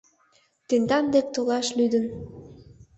Тендан дек толаш лӱдын.